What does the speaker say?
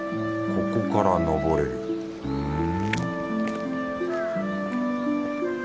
ここから登れるふん